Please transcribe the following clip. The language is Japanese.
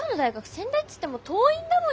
仙台っつっても遠いんだもん。